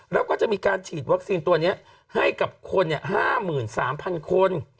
แล้วก็จะมีการฉีดวัคซีนตัวนี้ให้กับคน๕๓๐๐คน